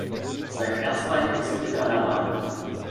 Sein Erzfeind ist Ritter Laban.